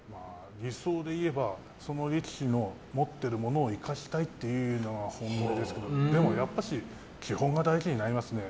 理想でいえばその力士の持っているものを生かしたいっていうのが本音ですけどでも、やっぱし基本が大事になりますね。